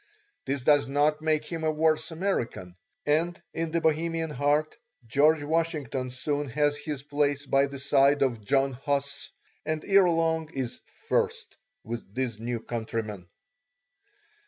This does not make him a worse American, and in the Bohemian heart George Washington soon has his place by the side of John Huss, and ere long is "first" with these new countrymen.